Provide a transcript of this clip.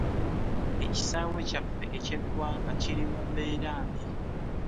Ekisaawe kyaffe eky'eggwanga kiri mu mbeera mbi.